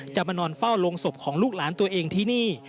จะมานอนเฝ้าโรงศพของลูกหลานตัวเองที่นี่